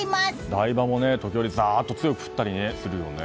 台場も時折ザーッと強く降ったりするよね。